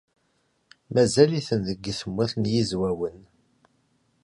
Mazal-iten deg Tmurt n Yizwawen.